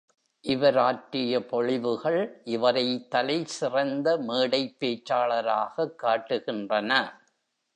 இவர் ஆற்றிய பொழிவுகள் இவரைத் தலைசிறந்த மேடைப் பேச்சாளராகக் காட்டுகின்றன.